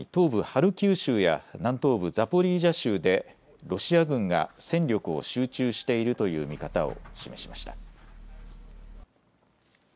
ハルキウ州や、南東部ザポリージャ州で、ロシア軍が戦力を集中しているという見方を示しました。